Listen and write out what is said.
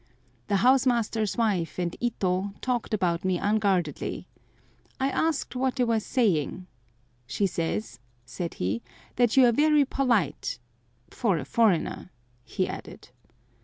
The house master's wife and Ito talked about me unguardedly. I asked what they were saying. "She says," said he, "that you are very polite—for a foreigner," he added.